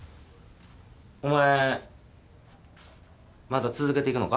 お前まだ続けていくのか？